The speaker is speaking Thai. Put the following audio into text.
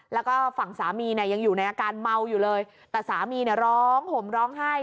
แล้วก็ฝั่งสามีเนี่ยยังอยู่ในอาการเมาอยู่เลยแต่สามีเนี่ยร้องห่มร้องไห้